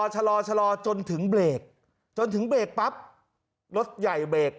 ชะลอชะลอจนถึงเบรกจนถึงเบรกปั๊บรถใหญ่เบรก